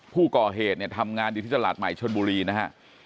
ผู้ก่อเหตุเนี่ยทำงานอยู่ที่ตลาดใหม่ชนบุรีนะฮะ